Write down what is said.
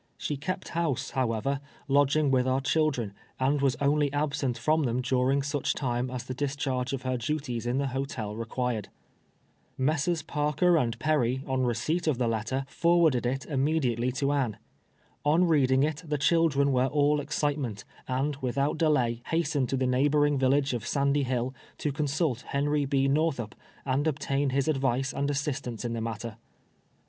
Slie kept house, how ever, lodging with our children, and was only absent from them during such time as tlie discharge of her duties in the hotel rec[uired. M 19 290 TWKLVK Yi;\KS A SI..VVF.. Messrs. Parker uivl Tc rrv, on rcccii't of the letter, forwarded it iuiinedintelj to Anne. On reading it the children were all excitement, and Mithmit delay hastened to the neiiihhorlnf!; vilhiii e of Sandy Hill, to consult Ilv'nry J>. Xorthup, and obtain his advice and assistance in tlie matter.